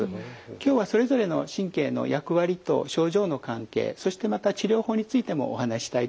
今日はそれぞれの神経の役割と症状の関係そしてまた治療法についてもお話ししたいと思います。